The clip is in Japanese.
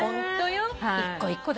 一個一個だね。